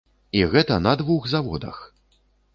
І гэта на двух заводах!